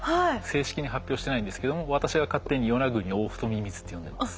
正式に発表してないんですけども私が勝手にヨナグニオオフトミミズって呼んでます。